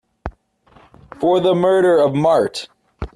For the murder of Marthe.